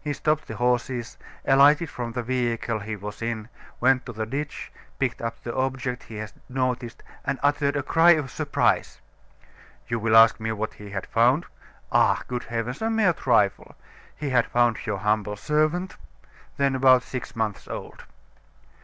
He stopped the horses, alighted from the vehicle he was in, went to the ditch, picked up the object he had noticed, and uttered a cry of surprise. You will ask me what he had found? Ah! good heavens! A mere trifle. He had found your humble servant, then about six months old."